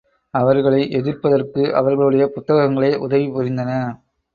அவர்களை எதிர்ப்பதற்கு அவர்களுடைய புத்தகங்களே உதவிபுரிந்தன.